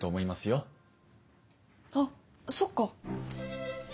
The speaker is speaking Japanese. あっそっか。